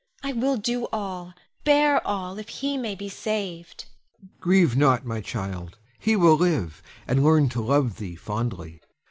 I will do all, bear all, if he may be saved. Helon. Grieve not, my child; he will live, and learn to love thee fondly.